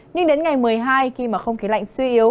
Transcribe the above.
nhưng đến ngày một mươi hai khi mà không khí lạnh suy yếu